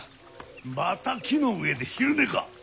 また木の上で昼寝か！